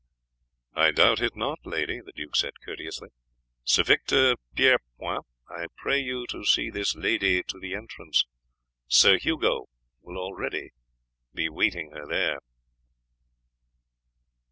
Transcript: "I doubt it not, lady," the duke said courteously. "Sir Victor Pierrepoint, I pray you to see this lady to the entrance. Sir Hugo will already be waiting her there."